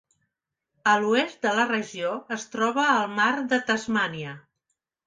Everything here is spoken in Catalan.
A l'oest de la regió es troba el mar de Tasmània.